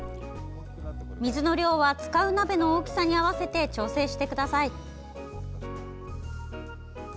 水の量は使う鍋の大きさに合わせて調整してください。